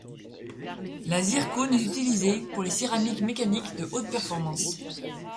La zircone est utilisée pour les céramiques mécaniques de haute performance.